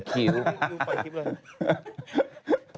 ดินสอเขียนคิ้วปล่อยคลิปเลย